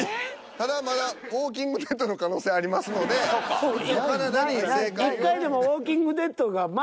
ただまだ「ウォーキング・デッド」の可能性ありますので金田に正解を。